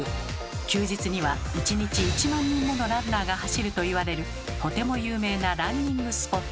休日には１日１万人ものランナーが走るといわれるとても有名なランニングスポット。